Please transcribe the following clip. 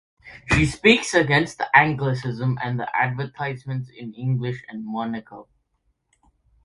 She speaks against the anglicisms and the advertisements in English in Monaco.